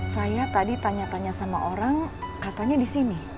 saya tadi tanya tanya sama orang katanya di sini